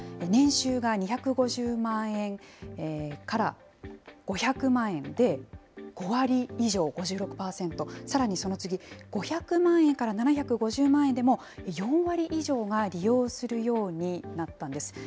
年収が２５０万円から５００万円で５割以上、５６％、さらにその次、５００万円から７５０万円でも、４割以上が利用するようになったんです。